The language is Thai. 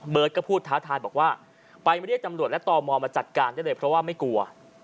ก็พูดท้าทายบอกว่าไปเรียกตำรวจและตมมาจัดการได้เลยเพราะว่าไม่กลัว